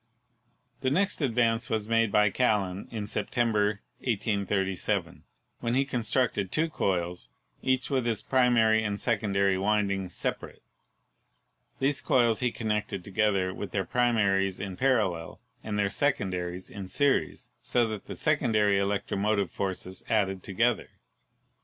The next advance was made by Callan in September, J ^37, when he constructed two coils, each with its pri mary and secondary windings separate. These coils he connected together with their primaries in parallel and their secondaries in series, so that the secondary electro motive forces added together.